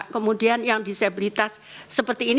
kemudian yang disabilitas seperti ini